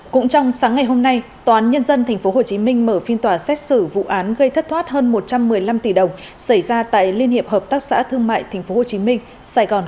cũng trong sáng ngày hôm nay tòa án nhân dân tp hcm mở phiên tòa xét xử vụ án gây thất thoát hơn một trăm một mươi năm tỷ đồng xảy ra tại liên hiệp hợp tác xã thương mại tp hcm sài gòn